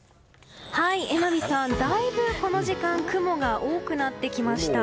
榎並さん、だいぶこの時間雲が多くなってきました。